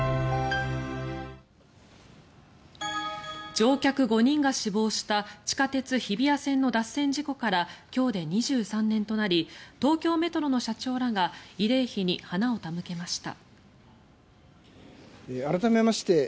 乗客５人が死亡した地下鉄日比谷線の脱線事故から今日で２３年となり東京メトロの社長らが慰霊碑に花を手向けました。